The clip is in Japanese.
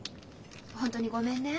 本当にごめんね。